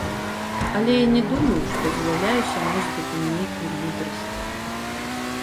Але я не думаю, што з'яўляюся носьбітам нейкай мудрасці.